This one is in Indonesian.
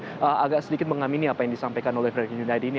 jadi agak sedikit mengamini apa yang disampaikan oleh frederick yunadi ini